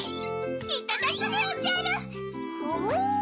いただくでおじゃるほぉ！